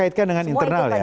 kaitkan dengan internal ya